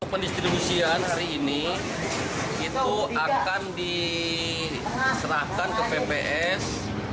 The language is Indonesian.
pendistribusian seri ini akan diserahkan ke pps